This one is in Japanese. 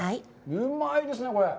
うまいですね、これ。